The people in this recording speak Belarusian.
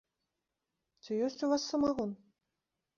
Ці ёсць у вас самагон?